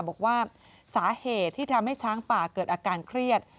บอกว่าสาเหตุที่ทำให้ช้างป่าเกิดอาการเครียด